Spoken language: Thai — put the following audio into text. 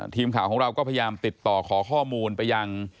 ทีมข่าวของเราก็พยายามติดต่อขอข้อมูลไปยัง